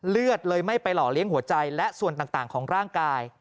เลือดเลยไม่ไปหล่อเลี้ยงหัวใจและส่วนต่างของร่างกาย